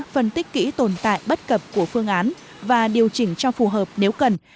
phân tích kỹ tồn tại bất cập của phương án và điều chỉnh cho phù hợp nếu cần